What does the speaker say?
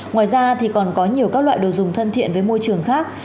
ngoài ra thì còn có nhiều các loại đồ dùng thân thiện với môi trường khác